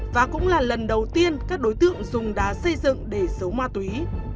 và cũng là lần đầu tiên các đối tượng dùng đá xây dựng để giấu ma túy